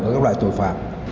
của các loại tội phạm